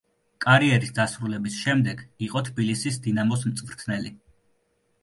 კარიერის დასრულების შემდეგ იყო თბილისის „დინამოს“ მწვრთნელი.